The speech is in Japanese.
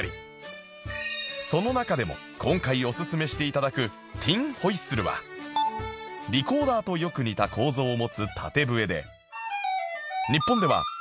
その中でも今回おすすめして頂くティン・ホイッスルはリコーダーとよく似た構造を持つ縦笛で